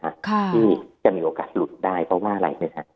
ที่จะมีโอกาสหลุดได้เพราะว่าอะไรไหมฮะ